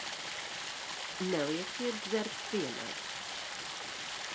Nelieciet dzert vienai.